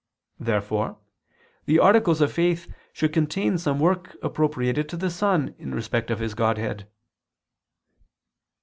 Therefore the articles of faith should contain some work appropriated to the Son in respect of His Godhead.